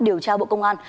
điều tra bộ công an